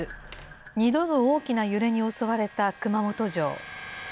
２度の大きな揺れに襲われた熊本城。